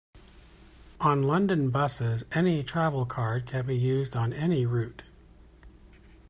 On London Buses any Travelcard can be used on any route.